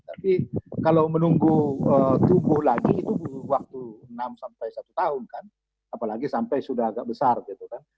tapi kalau menunggu tubuh lagi itu butuh waktu enam sampai satu tahun kan apalagi sampai sudah agak besar gitu kan